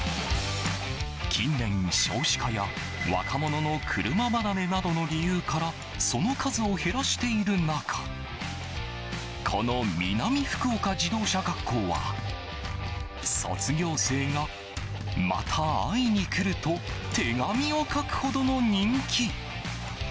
近年、少子化や若者の車離れなどの理由からその数を減らしている中この南福岡自動車学校は卒業生が、また会いに来ると手紙を書くほどの人気。